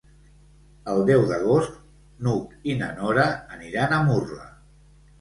El deu d'agost n'Hug i na Nora aniran a Murla.